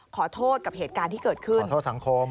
ขอโทษกับเหตุการณ์ที่เกิดขึ้นขอโทษสังคม